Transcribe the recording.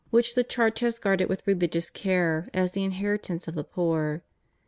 227 which the Church has guarded with religious care as the inheritance of the poor.